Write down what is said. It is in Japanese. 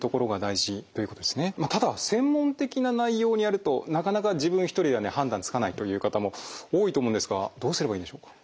ただ専門的な内容になるとなかなか自分一人では判断つかないという方も多いと思うんですがどうすればいいでしょうか？